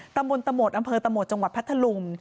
ตำบลตะโหมดอำเภอตะโหมดจังหวัดพัทธลุง